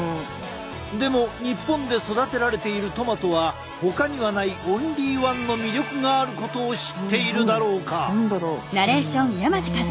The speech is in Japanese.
でも日本で育てられているトマトはほかにはないオンリーワンの魅力があることを知っているだろうか？